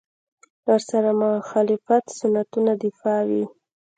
ورسره مخالفت سنتونو دفاع وي.